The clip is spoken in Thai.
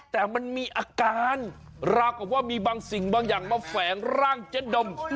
แต่มันมีอาการราวกับว่ามีบางสิ่งบางอย่างมาแฝงร่างเจ๊ดม